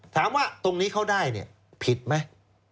ถามว่าตรงนี้เขาได้ผิดไหม